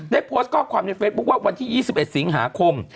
ได้โพสต์ข้อความในเฟซบุ๊คว่าวันที่๒๑สิงหาคม